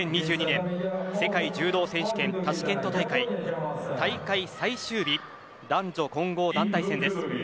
２０２２年世界柔道選手権タシケント大会大会最終日男女混合団体戦です。